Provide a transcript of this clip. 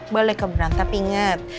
boleh keberan tapi inget